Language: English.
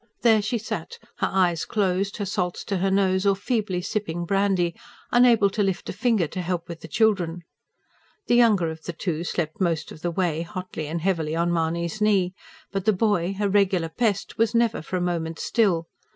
There she sat, her eyes closed, her salts to her nose or feebly sipping brandy, unable to lift a finger to help with the children. The younger of the two slept most of the way hotly and heavily on Mahony's knee; but the boy, a regular pest, was never for a moment still.